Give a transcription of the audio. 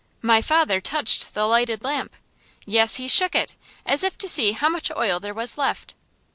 My father touched the lighted lamp! yes, he shook it, as if to see how much oil there was left.